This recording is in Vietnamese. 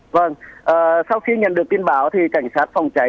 vâng sau khi nhận được tin báo thì cảnh sát phòng cháy